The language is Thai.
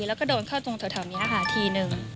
แล้วก็โดนเข้าตรงตรงถัวแถวนี้๑ที